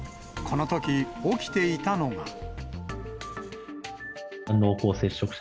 このとき、起きていたのが。